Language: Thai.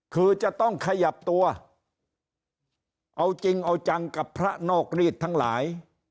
คือจะต้องขยับตัวเอาจริงเอาจังกับพระนอกรีดทั้งหลาย